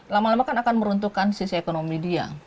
lama lama kan akan meruntuhkan sisi ekonomi dia